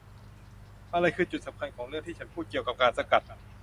อะไรคือจุดสำคัญของเรื่องที่ฉันพูดเกี่ยวกับการสกัด ?